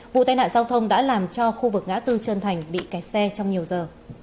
vụ tai nạn giao thông đã làm cho khu vực ngã tư trân thành bị kẹt xe trong nhiều giờ